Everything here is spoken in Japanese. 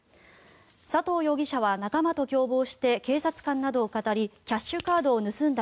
佐藤容疑者は仲間と共謀して警察官などをかたりキャッシュカードを盗んだ